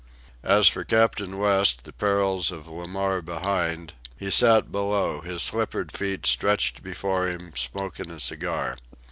As for Captain West, the perils of Le Maire behind, he sat below, his slippered feet stretched before him, smoking a cigar.